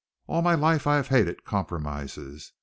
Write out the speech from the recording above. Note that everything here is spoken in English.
All my life I have hated compromises.